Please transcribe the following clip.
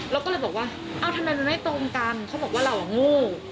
เราก็เลยบอกว่าเอ้าทำไมมันไม่ตรงกันเขาบอกว่าเราอ่ะโง่